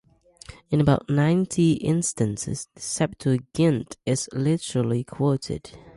In about ninety instances, the Septuagint is literally quoted.